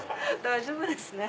大丈夫ですね。